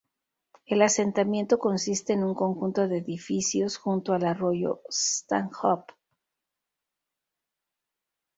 El asentamiento consiste en un conjunto de edificios junto al arroyo Stanhope.